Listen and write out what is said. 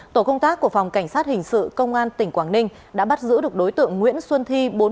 tổ công tác của phòng cảnh sát hình sự công an tỉnh quảng ninh đã bắt giữ được đối tượng nguyễn xuân thi